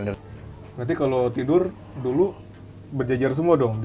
berarti kalau tidur dulu berjejer semua dong